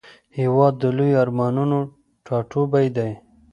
هېواد د لویو ارمانونو ټاټوبی دی.